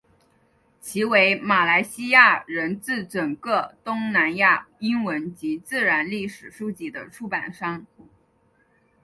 其为马来西亚乃至整个东南亚英文及自然历史书籍的出版商。